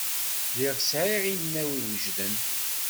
Lliɣ sεiɣ inaw iwejden.